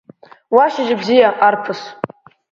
Уа шьыжьбзиа арԥыс!